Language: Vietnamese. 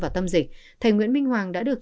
và tâm dịch thầy nguyễn minh hoàng đã được